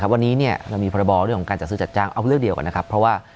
วันนี้เรามีพรบเรื่องของการจัดซื้อจัดจ้างเอาเรื่องเดียวก่อนนะครับเพราะว่า